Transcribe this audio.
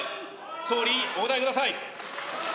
総理、お答えください。